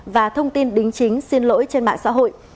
và thông tin đính chính xin lỗi trên mạng xã hội